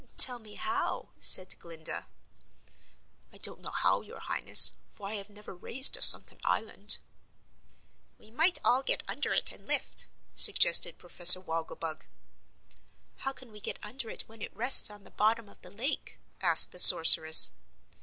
"Tell me how?" said Glinda. "I don't know how, your Highness, for I have never raised a sunken island." "We might all get under it and lift," suggested Professor Wogglebug. "How can we get under it when it rests on the bottom of the lake?" asked the Sorceress.